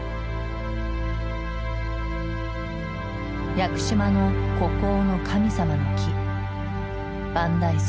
屋久島の孤高の神様の木万代杉。